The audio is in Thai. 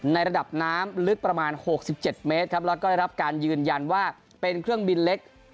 ระดับน้ำลึกประมาณ๖๗เมตรครับแล้วก็ได้รับการยืนยันว่าเป็นเครื่องบินเล็ก